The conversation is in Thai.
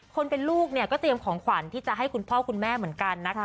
คนเป็นลูกเนี่ยก็เตรียมของขวัญที่จะให้คุณพ่อคุณแม่เหมือนกันนะคะ